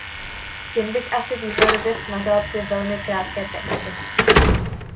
Jen bych asi výhledově smazal ty velmi krátké texty.